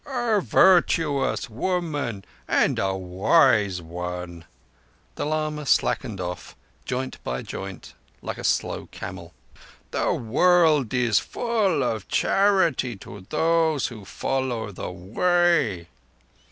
"A virtuous woman—and a wise one." The lama slackened off, joint by joint, like a slow camel. "The world is full of charity to those who follow the Way."